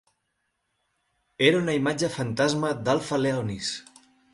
Era una imatge fantasma d'Alpha Leonis.